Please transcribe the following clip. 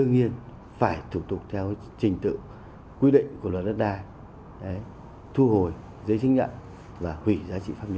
và đương nhiên phải thủ tục theo trình tự quy định của luật đất đai thu hồi giấy chứng nhận và quỷ giá trị pháp lý